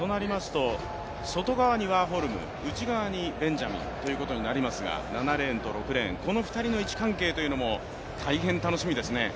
外側にワーホルム、内側にベンジャミンとなりますが７レーンと６レーン、この２人の位置関係というのも大変楽しみですね。